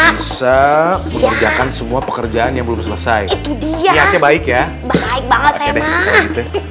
bisa mengerjakan semua pekerjaan yang belum selesai itu dia baik ya baik banget ya mah